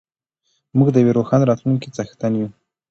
موږ د یوې روښانه راتلونکې څښتن یو.